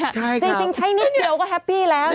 จริงใช้นิดเดียวก็แฮปปี้แล้ว